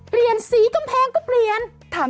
เปลี่ยนสีกำแพงก็เปลี่ยน